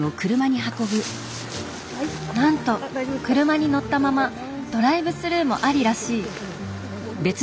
なんと車に乗ったままドライブスルーもありらしい。